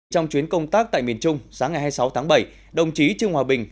trong chuyến công tác tại miền trung sáng ngày hai mươi sáu tháng bảy đồng chí trương hòa bình